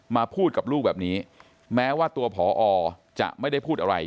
มาพูดกับลูกแบบนี้แม้ว่าตัวผอจะไม่ได้พูดอะไร